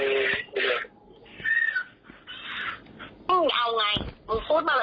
อื้มเอาไงมึงพูดมาเลยมึงจะเอาไง